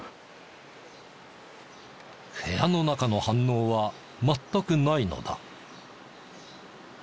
部屋の中の反応は全くないのだ。